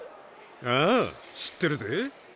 ああ知ってるぜ。